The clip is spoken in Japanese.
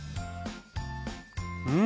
うん！